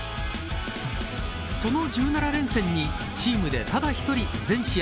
その１７連戦に、チームでただ１人全試合